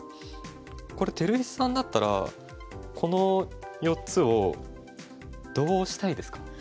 これ照井さんだったらこの４つをどうしたいですか？